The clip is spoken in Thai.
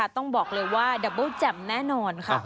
ต้องบอกเลยว่าดับเบิ้แจ่มแน่นอนค่ะ